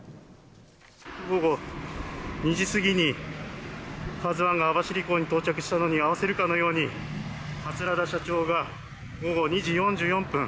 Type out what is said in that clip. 午後２時過ぎにＫＡＺＵ１が網走港に到着したのに合わせるかのように桂田社長が午後２時４４分